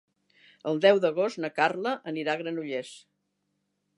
El deu d'agost na Carla anirà a Granollers.